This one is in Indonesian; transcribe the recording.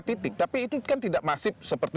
titik tapi itu kan tidak masif seperti